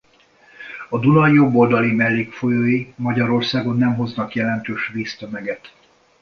A Duna jobb oldali mellékfolyói Magyarországon nem hoznak jelentős víztömeget.